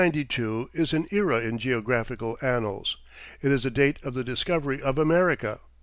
The year 1492 is an era in geographical annals. It is the date of the discovery of America.